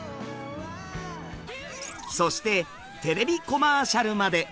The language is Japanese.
そしてテレビコマーシャルまで。